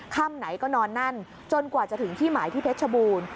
ค่ำไหนก็นอนนั่นจนกว่าจะถึงที่หมายที่เพชรชบูรณ์